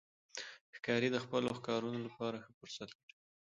ښکاري د خپلو ښکارونو لپاره ښه فرصت لټوي.